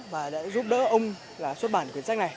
và đã giúp đỡ ông là xuất bản cuốn sách này